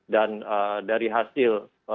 dan dari hasil monitoring kita